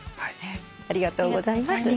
ありがとうございます。